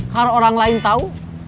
karena orang lain tahu